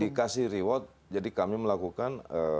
dikasih reward jadi kami melakukan